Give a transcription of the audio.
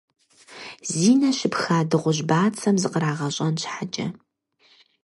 Зи нэ щыпха дыгъужь бацэм зыкърагъэщӀэн щхьэкӀэ,.